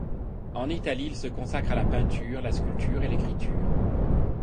En Italie, il se consacre à la peinture, la sculpture et l'écriture.